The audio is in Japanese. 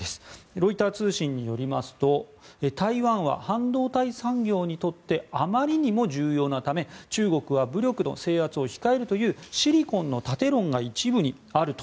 ロイター通信によりますと台湾は半導体産業にとってあまりにも重要なため中国は武力の制圧を控えるというシリコンの盾論が一部にあると。